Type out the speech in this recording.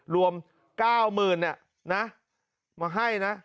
รวมก้าวหมื่นเนี่ยนะมาให้นะ